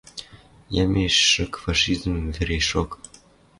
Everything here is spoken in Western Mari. Ямеш шык фашизм вӹрешок.